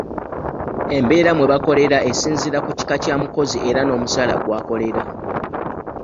Embeera mwe bakolera esinziira ku kika Kya mukozi era n'omusaala gw'akolera.